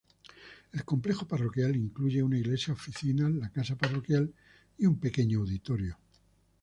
El complejo parroquial incluye una iglesia, oficinas, la casa parroquial y un pequeño auditorio.